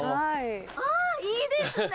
あいいですね！